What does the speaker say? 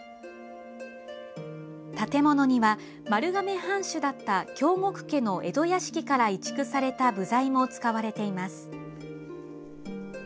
建物には、丸亀藩主だった京極家の江戸屋敷から移築された部材も使われています。